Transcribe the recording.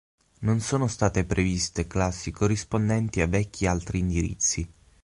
Non sono state previste classi corrispondenti a vecchi altri indirizzi.